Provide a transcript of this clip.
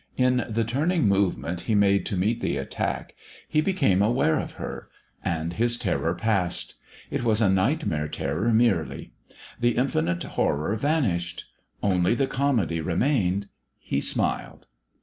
In the turning movement he made to meet the attack, he became aware of her. And his terror passed. It was a nightmare terror merely. The infinite horror vanished. Only the comedy remained. He smiled.